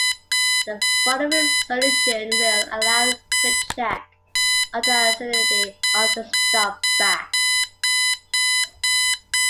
The following solution will allow quick check of the acidity of the stop bath.